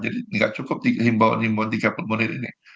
jadi nggak cukup himbauan tiga puluh menit ini